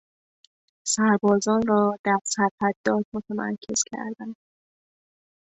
سربازان را در سرحدات متمرکز کردن